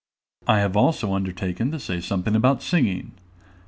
I have also undertaken to say something about singing!